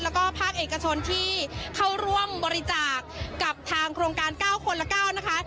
แล้วก็ภาคเอกชนที่เข้าร่วมบริจาคกับทางโครงการ๙คนละ๙นะคะ